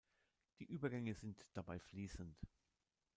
Die Übergänge sind dabei fließend.